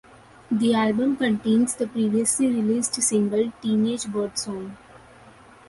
The album contains the previously released single "Teenage Birdsong".